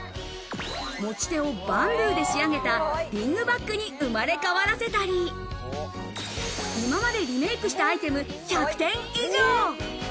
持ち手をバンブーで仕上げたリングバッグに生まれ変わらせたり、今までリメークしたアイテム１００点以上。